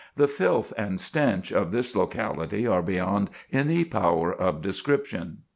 The filth and stench of this locality are beyond any power of description."